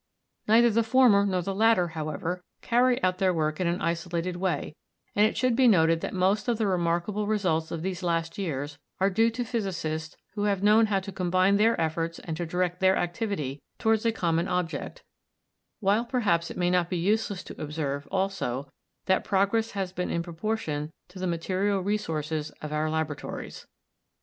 Neither the former nor the latter, however, carry out their work in an isolated way, and it should be noted that most of the remarkable results of these last years are due to physicists who have known how to combine their efforts and to direct their activity towards a common object, while perhaps it may not be useless to observe also that progress has been in proportion to the material resources of our laboratories.